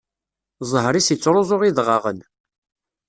Zzheṛ-is ittṛuẓu idɣaɣen.